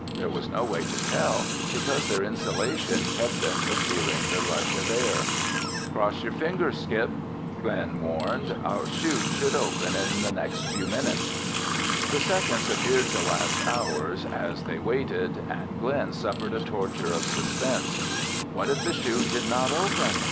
There was no way to tell because their insulation kept them from feeling the rush of air. "Cross your fingers, Skip," Glen warned. "Our chute should open in the next few minutes." The seconds appeared to last hours as they waited, and Glen suffered a torture of suspense. What if the chute did not open?